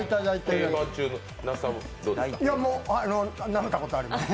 なめたことあります。